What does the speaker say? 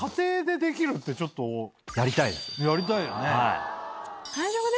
やりたいよね。